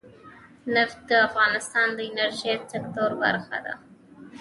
نفت د افغانستان د انرژۍ سکتور برخه ده.